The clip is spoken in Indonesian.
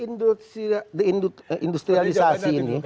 untuk deindustrialisasi ini